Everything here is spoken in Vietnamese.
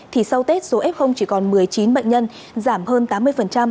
thì sau tết số f chỉ còn một mươi chín bệnh nhân giảm hơn tám mươi